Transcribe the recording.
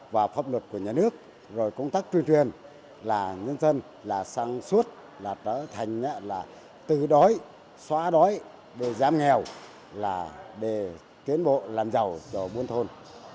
và pháp luật của nhà nước rồi công tác truyền thuyền là nhân dân là sản xuất là trở thành là tử đói xóa đói để giam nghèo là để tiến bộ làm giàu cho buôn thôn